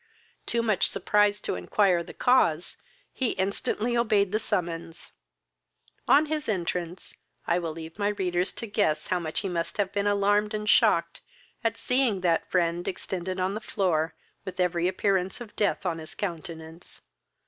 Too much surprised to inquire the cause, he instantly obeyed the summons. On his entrance, I will leave my readers to guess how much he must have been alarmed and shocked at seeing that friend extended on the floor, with every appearance of death on his countenance.